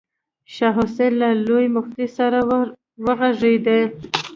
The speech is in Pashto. شاه حسين له لوی مفتي سره غږېده.